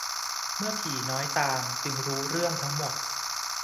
เมื่อผีน้อยตามจึงรู้เรื่องทั้งหมด